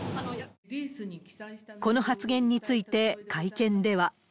この発言について、会見では。